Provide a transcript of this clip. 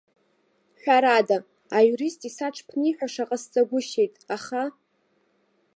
Ҳәар ада, аиурист исаҽԥниҳәаша ҟасҵагәышьеит, аха.